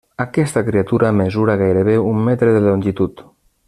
Aquesta criatura mesura gairebé un metre de longitud.